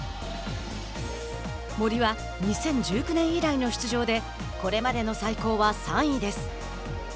森は、２０１９年以来の出場でこれまでの最高は３位です。